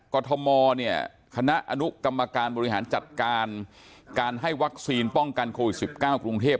กรทมเนี่ยคณะอนุกรรมการบริหารจัดการการให้วัคซีนป้องกันโควิด๑๙กรุงเทพ